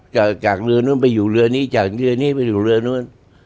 จากจากเรือนู้นไปอยู่เรือนี้จากเรือนี้ไปอยู่เรือนู้น